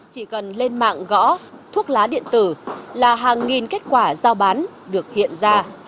chỉ cần lên mạng gõ thuốc lá điện tử là hàng nghìn kết quả giao bán được hiện ra